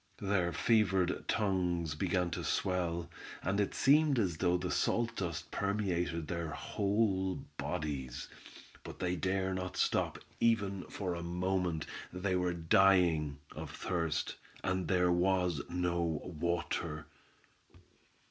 Their fevered tongues began to swell, and it seemed as though the salt dust permeated their whole bodies; but they dare not stop, even for a moment, they were dying of thirst, and there was no water.